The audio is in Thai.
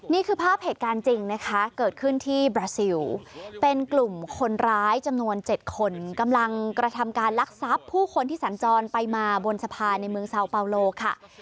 นี่คือภาพเหตุการณ์จริงนะคะเกิดขึ้นที่บราซิลเป็นกลุ่มคนร้ายจำนวน๗คนกำลังกระทำการลักทรัพย์ผู้คนที่สัญจรไปมาบนสะพานในเมืองซาวเปาโลค่ะ